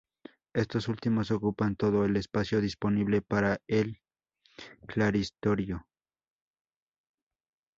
Estos últimos ocupan todo el espacio disponible para el claristorio.